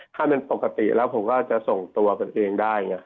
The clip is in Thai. ถ้ามันปกติแล้วผมก็จะส่งตัวเป็นเองนะ